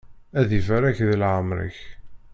Ad ibarek di leεmeṛ-ik!